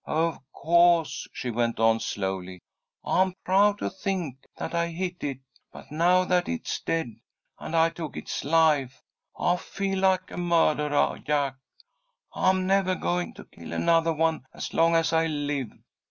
Of co'se," she went on, slowly, "I'm proud to think that I hit it, but now that it's dead and I took it's life, I feel like a murdahah. Jack, I'm nevah going to kill anothah one as long as I live."